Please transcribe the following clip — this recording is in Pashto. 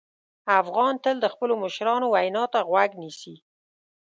افغان تل د خپلو مشرانو وینا ته غوږ نیسي.